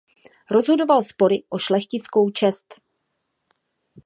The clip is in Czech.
Rozhodoval spory o šlechtickou čest.